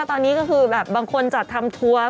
แล้วตอนนี้ก็คือบางคนจัดทำทัวร์